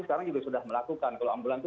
sekarang juga sudah melakukan kalau ambulan itu